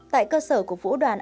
tại cơ sở của vũ đoàn